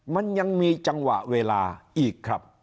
มันยังมีจังหวะเวลาอีกครับ